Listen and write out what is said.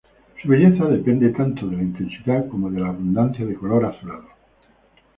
Su belleza depende tanto de la intensidad como de la abundancia de color azulado.